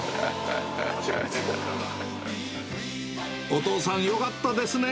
お父さん、よかったですね。